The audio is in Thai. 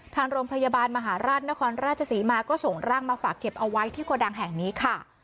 ทางโรงพยาบาลมหาราชนครราชศรีมาก็ส่งร่างมาฝากเก็บเอาไว้ที่โกดังแห่งนี้ค่ะ